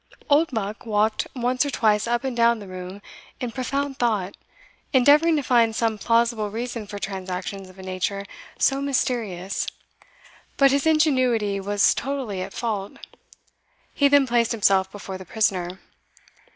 Oldbuck walked once or twice up and down the room in profound thought, endeavouring to find some plausible reason for transactions of a nature so mysterious but his ingenuity was totally at fault. He then placed himself before the prisoner.